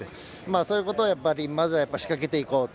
そういうことをまずは仕掛けていこうって。